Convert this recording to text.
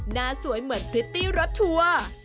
หน้าสวยเหมือนพริตตี้รถทัวร์